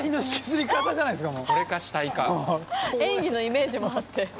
指原：演技のイメージもあって。